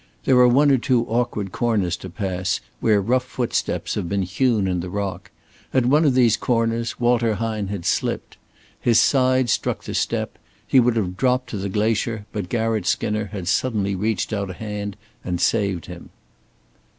There are one or two awkward corners to pass where rough footsteps have been hewn in the rock. At one of these corners Walter Hine had slipped. His side struck the step; he would have dropped to the glacier, but Garratt Skinner had suddenly reached out a hand and saved him.